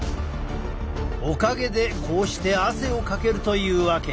おかげでこうして汗をかけるというわけ。